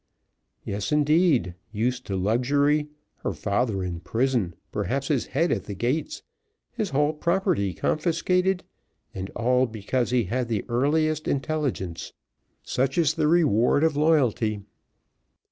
"Yes, indeed, used to luxury her father in prison, perhaps his head at the gates his whole property confiscated, and all because he had the earliest intelligence. Such is the reward of loyalty."